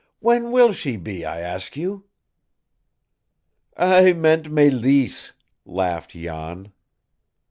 when will she be, I ask you?" "I meant Mélisse," laughed Jan.